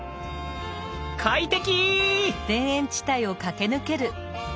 快適！